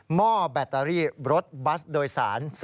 ห้อแบตเตอรี่รถบัสโดยสาร